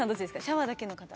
シャワーだけの方。